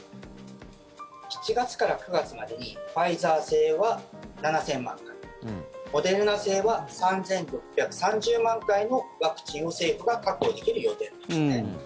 ７月から９月までにファイザー製は７０００万回モデルナ製は３６３０万回のワクチンを政府が確保できる予定なんですね。